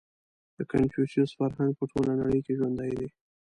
• د کنفوسیوس فرهنګ په ټوله نړۍ کې ژوندی دی.